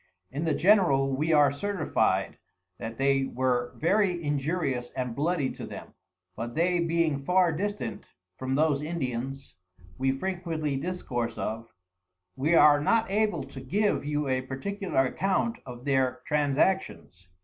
In the general we are certified, that they were very injurious and bloody to them; but they being far distant from those Indians, we frequently discourse of, wer are not able to give you a particular account of their Transactions.